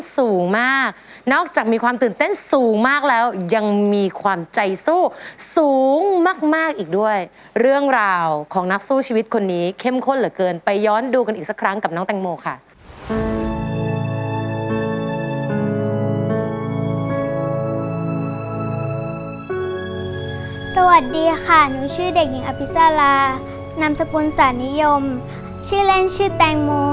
สูงมากนอกจากมีความตื่นเต้นสูงมากแล้วยังมีความใจสู้สูงมากอีกด้วยเรื่องราวของนักสู้ชีวิตคนนี้เข้มค่นเหลือเกินไปย้อนดูกันอีกสักครั้งกับน้องแตงโมค่ะ